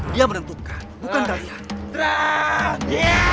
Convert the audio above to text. dia menentukan bukan kalian